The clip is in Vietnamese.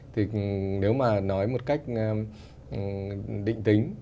thì nếu mà nói một cách định tính